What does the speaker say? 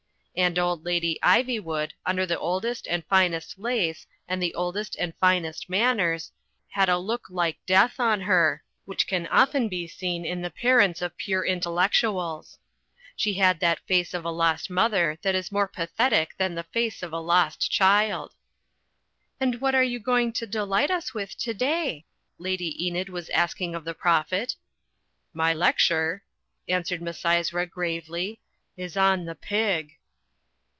And old Lady Ivywood, under the oldest and finest lace and the oldest and finest manners, had a look like death on her, which can often be seen in the 124 THE FLYING INN parents of pure intellectuals. She had that face of a lost mother that is more pathetic than the face of a lost child. "And what are you going to delight us with today?" Lady Enid was asking of the Prophet. "My lecture," answered Misysra, gravely, "is on the Pig."